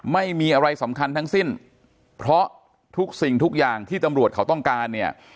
ไม่มีอะไรสำคัญทั้งสิ้นเพราะทุกสิ่งทุกอย่างที่ตำรวจเขาต้องการเนี่ย